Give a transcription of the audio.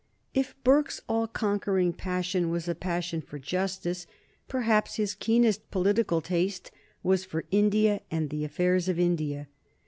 If Burke's all conquering passion was a passion for justice, perhaps his keenest political taste was for India and the affairs of India.